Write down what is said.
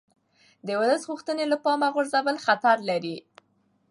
د ولس غوښتنې له پامه غورځول خطر لري